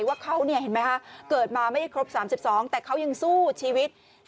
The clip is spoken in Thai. ว่าเขาเห็นไหมคะเกิดมาไม่ได้ครบ๓๒แต่เขายังสู้ชีวิต